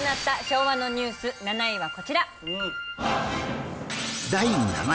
昭和のニュース７位はこちら。